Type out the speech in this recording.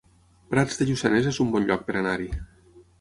Prats de Lluçanès es un bon lloc per anar-hi